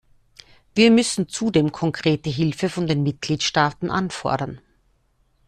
Wir müssen zudem konkrete Hilfe von den Mitgliedstaaten anfordern.